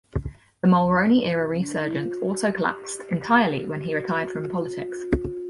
The Mulroney-era resurgence also collapsed entirely when he retired from politics.